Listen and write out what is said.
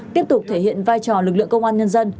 tiếp tục thể hiện vai trò lực lượng công an nhân dân